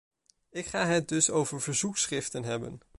Ik ga het dus over verzoekschriften hebben.